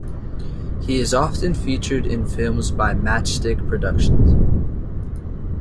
He is often featured in films by Matchstick Productions.